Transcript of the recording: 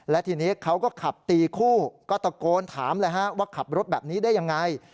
และทีนี้เขาก็ขับตีคู่ก็ตะโกนถามเลยฮะว่าขับรถแบบนี้ได้ยังไง